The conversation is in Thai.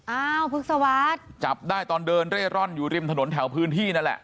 อ้าวพฤกษวรรษจับได้ตอนเดินเร่ร่อนอยู่ริมถนนแถวพื้นที่นั่นแหละ